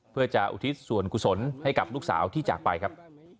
เพื่อจะอุทิศส่วนกุศลให้กับลูกสาวที่จากไปครับ